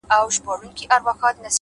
د زغم ونې خوږې مېوې لري’